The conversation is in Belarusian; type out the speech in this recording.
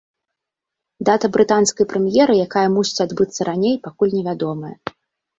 Дата брытанскай прэм'еры, якая мусіць адбыцца раней, пакуль невядомая.